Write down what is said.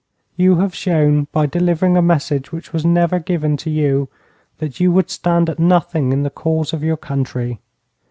You have shown by delivering a message which was never given to you that you would stand at nothing in the cause of your country.